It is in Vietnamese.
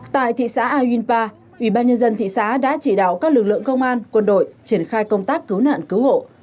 tại thị xã ayunpa ubnd thị xã đã chỉ đạo các lực lượng công an quân đội triển khai công tác cứu nạn cứu hộ